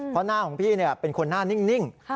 เพราะหน้าของพี่เป็นคนหน้านิ่ง